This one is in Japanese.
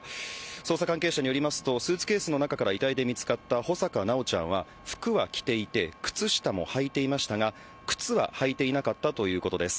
捜査関係者によりますとスーツケースの中から遺体で見つかった穂坂修ちゃんは服は着ていて靴下もはいていましたが、靴は履いていなかったということです。